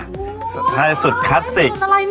สุดท้ายสุดคลาสสิก